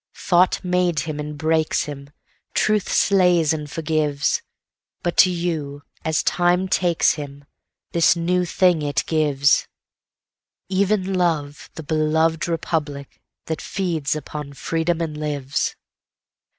Thought made him and breaks him, Truth slays and forgives; But to you, as time takes him, This new thing it gives, Even love, the beloved Republic, that feeds upon freedom and lives.